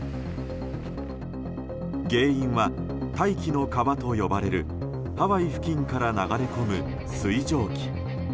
原因は、大気の川と呼ばれるハワイ付近から流れ込む水蒸気